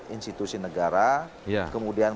institusi negara kemudian